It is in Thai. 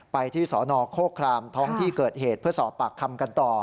ไปที่สนโคครามท้องที่เกิดเหตุเพื่อสอบปากคำกันต่อ